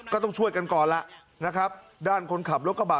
ก็ต้องช่วยกันก่อนล่ะนะครับด้านคนขับรถกระบะ